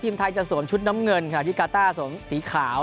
ทีมไทยจะสวมชุดน้ำเงินขณะที่กาต้าสวมสีขาว